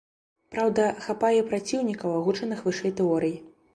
Праўда, хапае і праціўнікаў агучаных вышэй тэорый.